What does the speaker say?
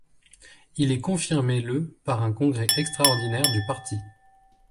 Il est confirmé le par un congrès extraordinaire du parti.